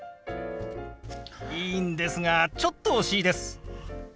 いいんですがちょっと惜しいです。